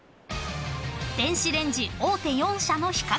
［電子レンジ大手４社の比較］